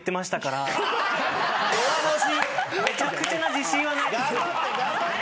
めちゃくちゃな自信はないです。